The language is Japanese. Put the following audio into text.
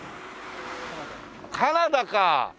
カナダか。